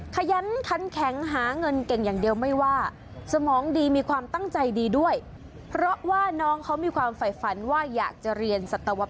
ขยันคันแข็งหาเงินเก่งอย่างเดียวไม่ว่าสมองดีมีความตั้งใจดีด้วย